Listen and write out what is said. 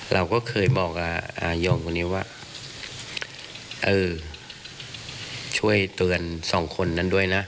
เราก็เคยบอกกับโยมคนนี้ว่าเออช่วยเตือนสองคนนั้นด้วยนะ